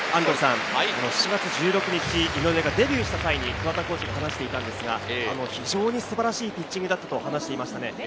７月１６日、井上がデビューした際に桑田コーチが話していたんですが、非常に素晴らしいピッチングだったと話していました。